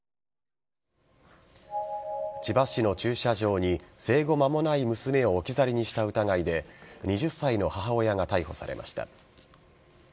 千葉市の駐車場に生後間もない娘を置き去りにした疑いで２０歳の母親が逮捕されました。